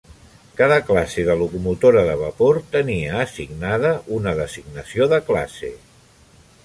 Cada classe de locomotora de vapor tenia assignada una designació de classe.